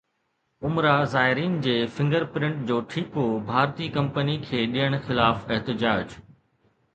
عمره زائرين جي فنگر پرنٽ جو ٺيڪو ڀارتي ڪمپني کي ڏيڻ خلاف احتجاج